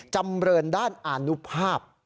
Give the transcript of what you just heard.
จำเรินด้านอานุภาพ